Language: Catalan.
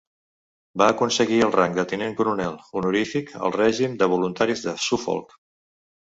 Va aconseguir el rang de Tinent coronel honorífic al Règim de Voluntaris de Suffolk